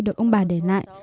được ông bà để lại